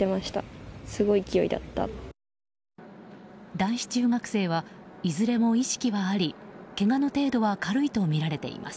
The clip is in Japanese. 男子中学生はいずれも意識はありけがの程度は軽いとみられています。